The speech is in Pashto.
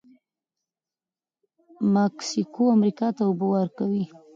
مکسیکو امریکا ته اوبه ورکوي.